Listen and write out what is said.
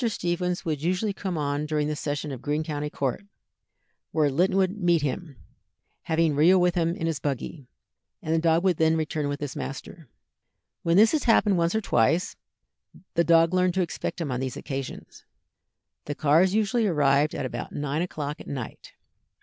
Stephens would usually come on during the session of Greene County court, where Linton would meet him, having Rio with him in his buggy, and the dog would then return with his master. When this had happened once or twice, the dog learned to expect him on these occasions. The cars usually arrived at about nine o'clock at night.